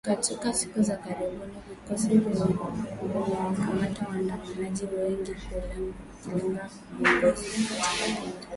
Katika siku za karibuni vikosi vimewakamata waandamanaji wengi , vikilenga viongozi katika makundi pinzani.